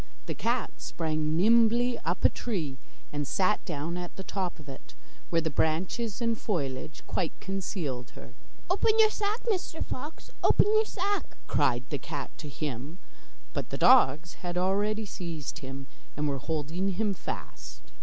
The cat sprang nimbly up a tree, and sat down at the top of it, where the branches and foliage quite concealed her. 'Open your sack, Mr Fox, open your sack,' cried the cat to him, but the dogs had already seized him, and were holding him fast.